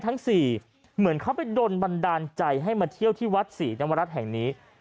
เหมือนเขาไปโดนบันดาลใจให้มาเที่ยวที่วัดศรีนวรัฐแห่งนี้